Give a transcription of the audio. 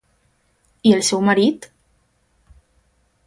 I el seu marit?